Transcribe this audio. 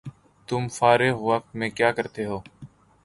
تم فارغ وقت میں کیاکرتےہو؟